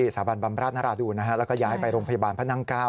สาบันบำราชนราดูนแล้วก็ย้ายไปโรงพยาบาลพระนั่ง๙